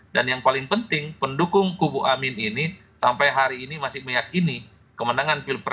dan yang paling penting pendukung kubu amin ini sampai hari ini masih meyakini kemenangan pilpres itu didapatkan